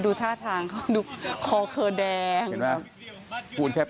ดูท่าทางเขาดูคอเคอแดง